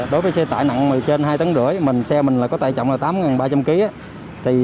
đối với xe tải nặng trên hai tấn rưỡi mình xe mình có tải trọng là tám ba trăm linh ký